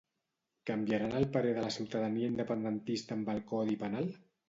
Canviaran el parer de la ciutadania independentista amb el Codi Penal?